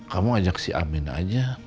kamu ajak si amin aja